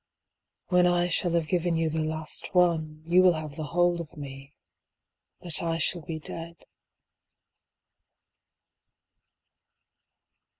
When I shall have given you the last one, You will have the whole of me, But I shall be dead.